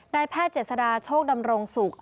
นายแพทย์เจ็ดสดาโชคดำรงสุข